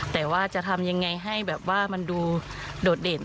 แต่ว่าจะทำยังไงให้แบบว่ามันดูโดดเด่น